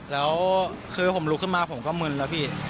แล้วคือผมลุกขึ้นมาผมก็มึนนะพี่